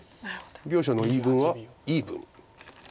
両者の言い分は「イーブン」。